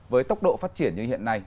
với tốc độ phát triển như hiện nay